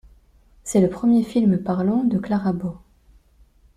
C'est le premier film parlant de Clara Bow.